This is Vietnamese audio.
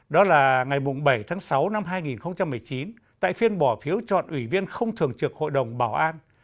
đó là ngày bảy tháng sáu năm hai nghìn một mươi chín tại phiên bỏ phiếu chọn ủy viên không thường trực hội đồng bảo an